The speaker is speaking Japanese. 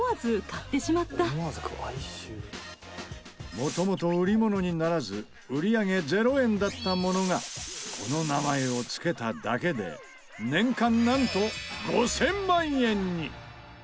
元々売り物にならず売り上げ０円だったものがこの名前をつけただけで年間なんと５０００万円に！